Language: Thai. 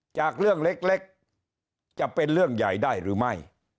จากเรื่องเล็กจะเป็นเรื่องใหญ่ได้หรือไม่